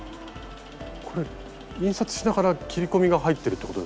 これ印刷しながら切り込みが入ってるってことですか？